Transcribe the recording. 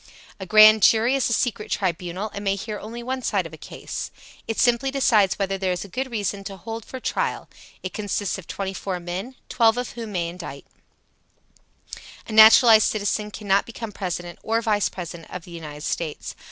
A grand jury is a secret tribunal, and may hear only one side of a case. It simply decides whether there is good reason to hold for trial. It consists of twenty four men, twelve of whom may indict. A naturalized citizen cannot become President or Vice President of the United States.